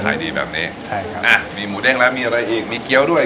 ขายดีแบบนี้ใช่ครับอ่ะมีหมูเด้งแล้วมีอะไรอีกมีเกี้ยวด้วย